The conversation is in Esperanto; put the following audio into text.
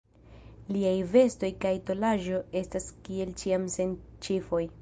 Liaj vestoj kaj tolaĵo estas kiel ĉiam sen ĉifoj.